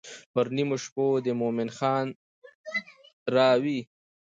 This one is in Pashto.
پر نیمو شپو دې مومن خان راوی.